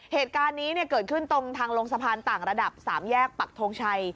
เหตุการณ์นี้เกิดขึ้นตรงทางลงสะพานต่างระดับ๓แยกปักทงชัย